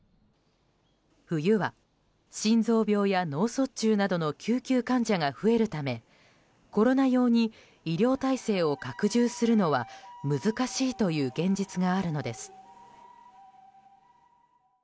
冬は、心臓病や脳卒中などの救急患者が増えるためコロナ用に医療体制を拡充するのは難しいという現実があるのです。